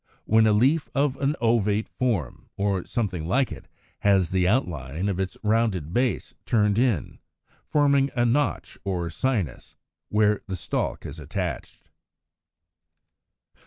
120, 129), when a leaf of an ovate form, or something like it, has the outline of its rounded base turned in (forming a notch or sinus) where the stalk is attached.